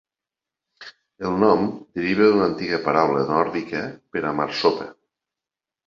El nom deriva d'una antiga paraula nòrdica per a marsopa.